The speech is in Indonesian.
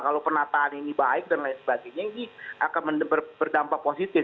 kalau penataan ini baik dan lain sebagainya ini akan berdampak positif